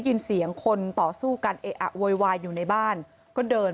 เนื่องจากนี้ไปก็คงจะต้องเข้มแข็งเป็นเสาหลักให้กับทุกคนในครอบครัว